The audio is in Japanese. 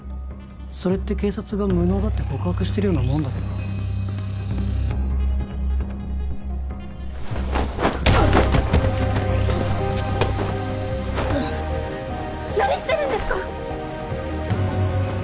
それって警察が無能だって告白してるようなもんだけど何してるんですか！？